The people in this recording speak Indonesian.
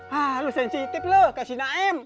hah lo sensitif lo kak sinaim